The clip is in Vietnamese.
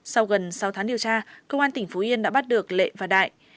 sau gần sáu tháng điều tra công an tỉnh phú yên đã bắt được lệ và đại